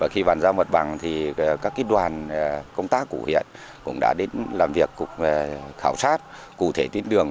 khi bán giao mật bằng thì các kết đoàn công tác của hiện cũng đã đến làm việc khảo sát cụ thể tiến đường